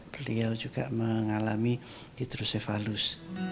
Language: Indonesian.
beliau juga mengalami hidrosipalus